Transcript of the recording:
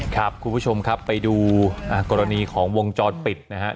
ครับคุณผู้ชมครับไปดูกรณีของวงจรปิดนะฮะ